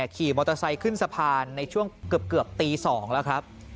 ขี่มอเตอร์ไซค์ขึ้นสะพานในช่วงเกือบตี๒แล้วครับ